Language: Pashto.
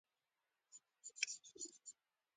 لومړی سېبل ورپسې باتون او په اخر کې خاما خبرې وکړې.